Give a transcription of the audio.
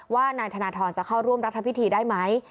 นายธนทรจะเข้าร่วมรัฐพิธีได้ไหม